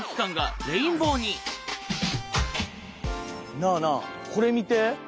なあなあこれ見て！